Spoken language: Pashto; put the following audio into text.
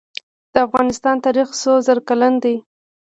د افغانستان تاریخ څو زره کلن دی؟